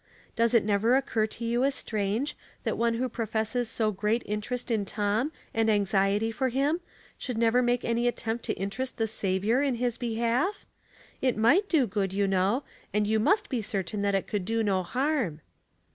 Does it never occur to you as strange, that one who professes so great interest in Tom, and anxiety for him, should never make any attempt to interest the Saviour in his behalf? It might do good, you know, and you must be certain that it could do no harm."